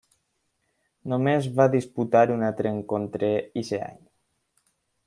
Només va disputar un altre encontre eixe any.